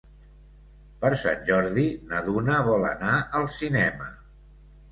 Per Sant Jordi na Duna vol anar al cinema.